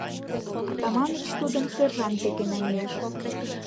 Атаманыч тудым сержант деке намийыш.